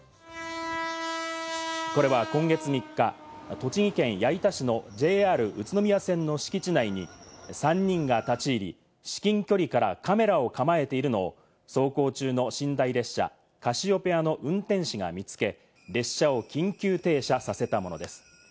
これは今月３日、栃木県矢板市のＪＲ宇都宮線の敷地内に３人が立ち入り、至近距離からカメラを構えているのを走行中の寝台列車カシオペアの運転士が見つけ、列車を緊急停車させたものです。